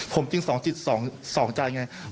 ผมจึง๒จิต๒ใจไง